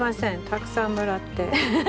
たくさんもらって。